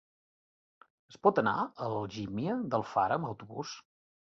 Es pot anar a Algímia d'Alfara amb autobús?